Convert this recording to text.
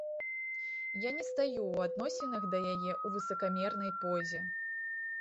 Я не стаю ў адносінах да яе ў высакамернай позе.